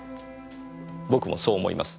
僕もそう思います。